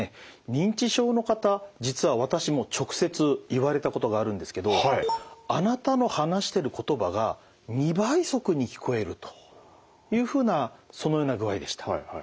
認知症の方実は私も直接言われたことがあるんですけど「あなたの話してる言葉が２倍速に聞こえる」というふうなそのような具合でした。